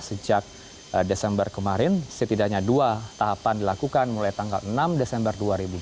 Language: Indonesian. sejak desember kemarin setidaknya dua tahapan dilakukan mulai tanggal enam desember dua ribu dua puluh